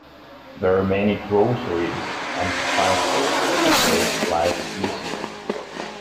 There many groceries and supplies stores that can make life easier.